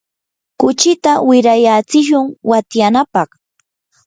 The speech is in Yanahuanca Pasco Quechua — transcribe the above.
kuchita wirayatsishun watyanapaq.